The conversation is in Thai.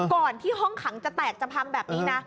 ก่อนที่ห้องขังจะแตกจะพังแบบนี้นะ